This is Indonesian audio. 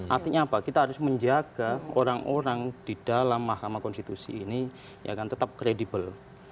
artinya apa kita harus menjaga orang orang di dalam mahkamah konstitusi ini tetap kredibel